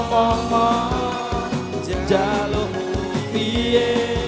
jeng jalo mupie